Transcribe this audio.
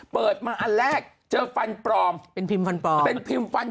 เปิดมาอันแรกเจอฟันปลอมเป็นพิมพ์ฟันปลอมเป็นพิมพ์ฟัน